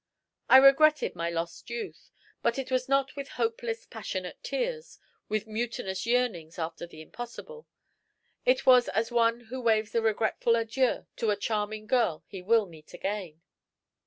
I regretted my lost youth but it was not with hopeless, passionate tears, with mutinous yearnings after the impossible; it was as one who waves a regretful adieu to a charming girl he will meet again."